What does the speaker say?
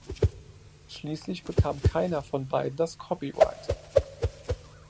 Schließlich bekam keiner von beiden das Copyright.